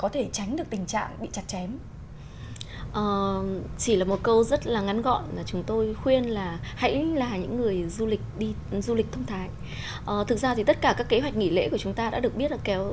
thực ra thì tất cả các kế hoạch nghỉ lễ của chúng ta đã được biết là kéo